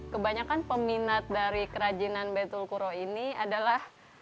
kebanyakan peminat dari kerajinan baitul kuro ini adalah